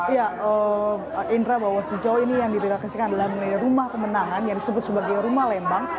ya indra bahwa sejauh ini yang direlokasikan adalah mengenai rumah pemenangan yang disebut sebagai rumah lembang